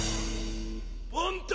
パンタ！